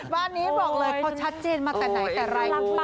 บ้านนี้บอกเลยเขาชัดเจนมาแต่ไหนแต่ไร